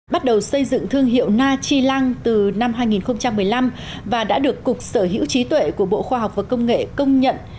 bắt đầu xây dựng thương hiệu na chi lăng từ năm hai nghìn một mươi năm và đã được cục sở hữu trí tuệ của bộ khoa học và công nghệ công nhận